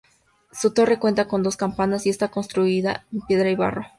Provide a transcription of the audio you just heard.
Su torre cuenta con dos campanas, y está construida en piedra y barro.